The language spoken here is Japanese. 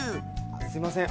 すいません